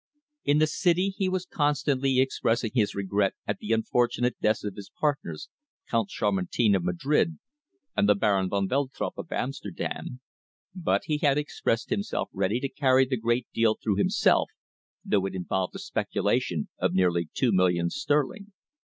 In the City he was constantly expressing his regret at the unfortunate deaths of his partners, Count de Chamartin, of Madrid, and the Baron van Veltrup, of Amsterdam, but he had expressed himself ready to carry the great deal through himself, though it involved the speculation of nearly two millions sterling.